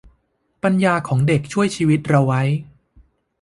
ปัญญาของเด็กช่วยชีวิตเราไว้